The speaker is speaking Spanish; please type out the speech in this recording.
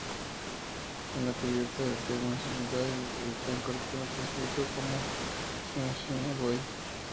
En la cubierta, el tema "Sunshine Day" está incorrectamente escrito como "Sunshine Boy".